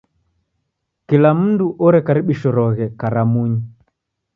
Kila mndu orekaribishiroghe karamunyi.